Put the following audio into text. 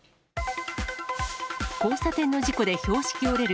交差点の事故で標識折れる。